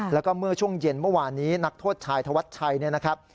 แล้วก็เมื่อช่วงเย็นเมื่อวานนี้นักโทษชายธวัชชัยเนี่ยนะครับ